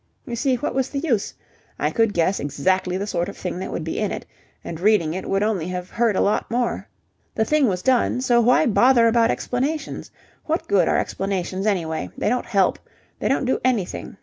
You see, what was the use? I could guess exactly the sort of thing that would be in it, and reading it would only have hurt a lot more. The thing was done, so why bother about explanations? What good are explanations, anyway? They don't help. They don't do anything...